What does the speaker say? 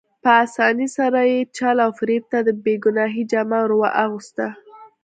په اسانۍ سره یې چل او فریب ته د بې ګناهۍ جامه ور اغوسته.